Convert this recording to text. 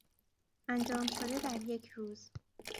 انجام شده در یک روز